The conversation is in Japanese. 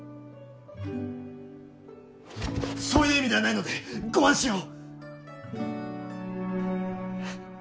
そういう意味ではないのでご安心を！